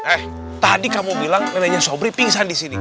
eh tadi kamu bilang neneknya sobri pingsan di sini